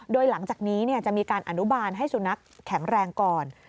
โดยหลังจากนี้จะมีการอนุบาลให้สุนัขแข็งแรงก่อน